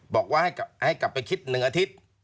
บอกว่าให้กลับไปคิด๑อาทิตย์